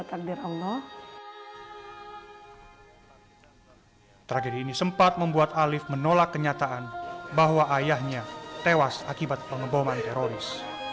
tragedi ini sempat membuat alif menolak kenyataan bahwa ayahnya tewas akibat pengeboman teroris